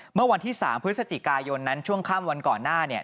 เมื่อวันที่๓พฤศจิกายนนั้นช่วงค่ำวันก่อนหน้าเนี่ย